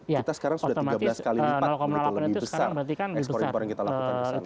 jadi kita sekarang sudah tiga belas kali lipat untuk lebih besar ekspor impor yang kita lakukan di sana